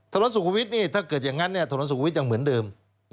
ถนนสุขุมวิทย์นี่ถ้าเกิดอย่างงั้นเนี่ยถนนสุขุมวิทย์ยังเหมือนเดิม